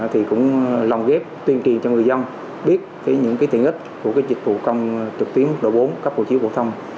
thì cũng lòng ghép tuyên truyền cho người dân biết những tiện ích của dịch vụ công trực tuyến mức độ bốn cấp hộ chiếu phổ thông